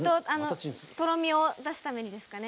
とろみを出すためにですかね。